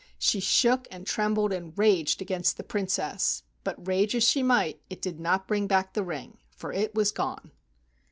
She shook and trembled and raged against the Princess, but rage as she might, it did not bring back the ring, for it was gone.